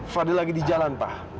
fadli lagi di jalan pak